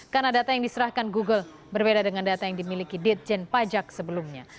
karena data yang diserahkan google berbeda dengan data yang dimiliki dijen pajak sebelumnya